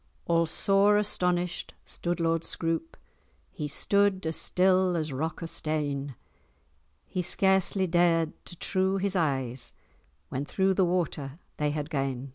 All sore astonished stood Lord Scroope, He stood as still as rock of stane; He scarcely dared to trew[#] his eyes, When through the water they had gane.